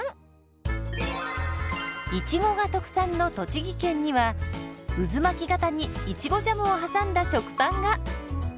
いちごが特産の栃木県には渦巻き型にいちごジャムを挟んだ食パンが！